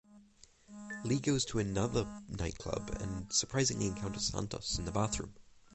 Lee goes to another nightclub and surprisingly encounters Santos in the bathroom.